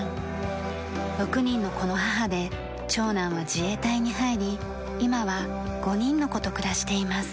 ６人の子の母で長男は自衛隊に入り今は５人の子と暮らしています。